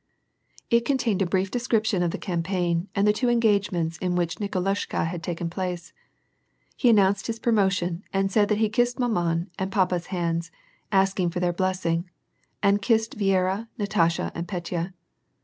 It contained a brief descrip tion of the campaign, and the two engagements in which Niko lushka had taken part ; he announced his promotion, and said that he kissed ma man and papa*s hands, asking for their bless ing, and kissed Viera, Natasha, and Petya.